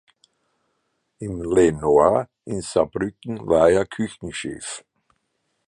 Im "Le Noir" in Saarbrücken war er Küchenchef.